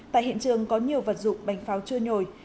tại hiện trường có nhiều vật dụng bành pháo chưa nhồi